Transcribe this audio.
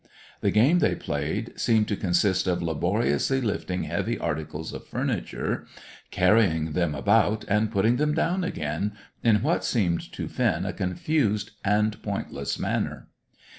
The game they played seemed to consist of laboriously lifting heavy articles of furniture, carrying them about, and putting them down again, in what seemed to Finn a confused and pointless manner.